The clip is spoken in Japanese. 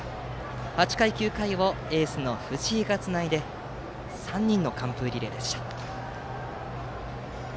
８回、９回をエースの藤本がつないで３人の完封リレーでした。